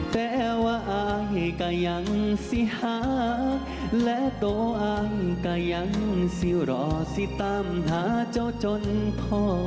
แต่ว่าอายก็ยังสิหาและตัวเองก็ยังสิรอสิตามหาเจ้าจนพ่อ